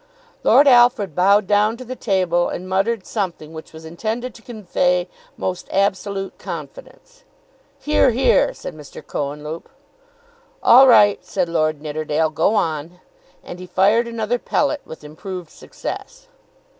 Lord Alfred bowed down to the table and muttered something which was intended to convey most absolute confidence. "Hear, hear," said Mr. Cohenlupe. "All right," said Lord Nidderdale; "go on;" and he fired another pellet with improved success.